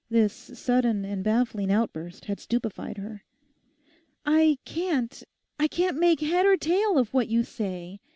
This sudden and baffling outburst had stupefied her. 'I can't, I can't make head or tail of what you say.